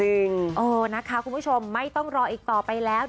เออนะคะคุณผู้ชมไม่ต้องรออีกต่อไปแล้ว